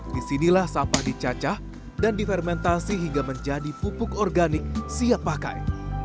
disinilah sampah dicacah dan difermentasi hingga menjadi pupuk organik siap pakai